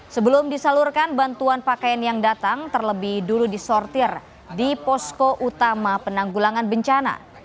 sebelum disalurkan bantuan pakaian yang datang terlebih dulu disortir di posko utama penanggulangan bencana